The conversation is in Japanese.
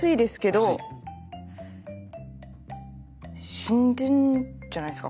死んでるんじゃないですか？